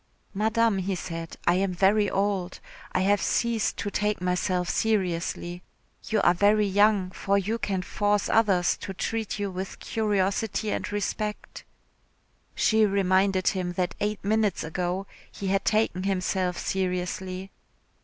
"Madame," he said, "I am very old. I have ceased to take myself seriously. You are very young, for you can force others to treat you with curiosity and respect." She reminded him that eight minutes ago he had taken himself seriously.